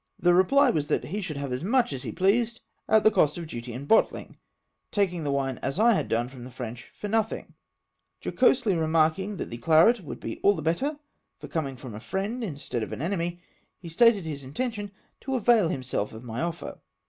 The reply was, that he should have as much as he pleased, at the C()st of duty MR. CROKER'S revenge. 209 and bottling, taking the wine as I had done from the French, for nothing : jocosely remarking, that the claret would be all the better for coming from a friend instead of an enemy, he stated his intention to avail himself of my offer.